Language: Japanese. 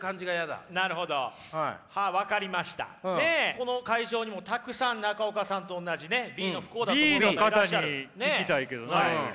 この会場にもたくさん中岡さんとおんなじねＢの不幸だと思う方がいらっしゃる。